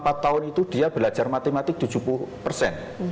empat tahun itu dia belajar matematik tujuh puluh persen